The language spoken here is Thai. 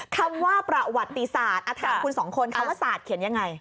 คำว่าประวัติศาสตร์ถามคุณสองคนคำว่าศาสตร์เขียนยังไง